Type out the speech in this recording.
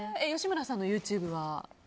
吉村さんのＹｏｕＴｕｂｅは？